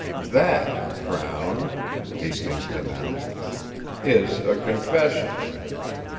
"That, Crown," Hastings denounced, "is a confession!